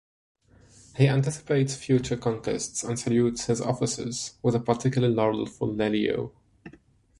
He anticipates future conquests and salutes his officers, with a particular laurel for Lelio.